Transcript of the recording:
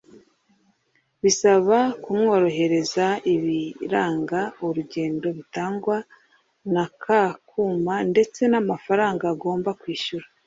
Bisaba kumwoherereza ibiranga urugendo bitangwa na ka kuma ndetse n’amafaranga agomba kwishyura